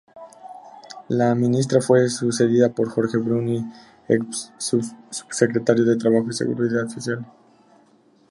La ministra fue sucedida por Jorge Bruni, ex subsecretario de Trabajo y Seguridad Social.